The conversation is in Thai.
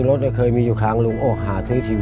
ออกกลางทุ่งเครื่องดับเฉย